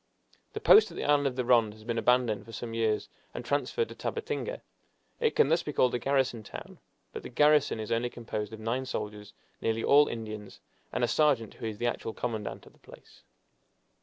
The post at the island of the Ronde has been abandoned for some years, and transferred to Tabatinga. It can thus be called a garrison town, but the garrison is only composed of nine soldiers, nearly all Indians, and a sergeant, who is the actual commandant of the place.